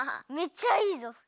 めっちゃいいぞ。